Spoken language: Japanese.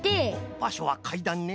ばしょはかいだんね。